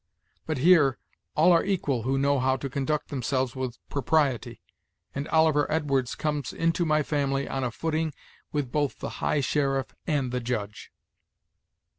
But, here, all are equal who know how to conduct themselves with propriety; and Oliver Edwards comes into my family on a footing with both the high sheriff and the judge."